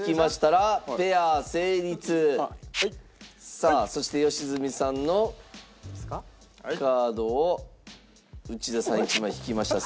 さあそして良純さんのカードを内田さん１枚引きました。